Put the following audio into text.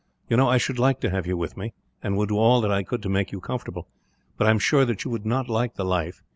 You know I should like to have you with me, and would do all that I could to make you comfortable; but I am sure that you would not like the life.